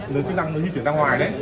người chứng đám nó di chuyển ra ngoài đấy